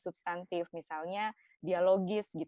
substantif misalnya dialogis